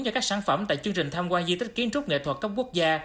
cho các sản phẩm tại chương trình tham quan di tích kiến trúc nghệ thuật cấp quốc gia